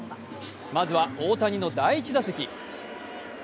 まずは、大谷の第１打席。